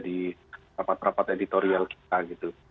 di rapat rapat editorial kita gitu